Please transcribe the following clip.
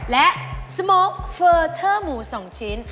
และสมกเฟอร์เทอร์หมู๒ชิ้น